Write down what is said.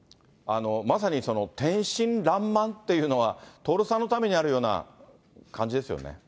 まさに天真らんまんというのは、徹さんのためにあるような感じですよね。